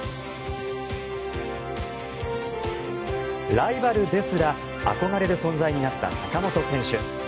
ライバルですら憧れる存在になった坂本選手。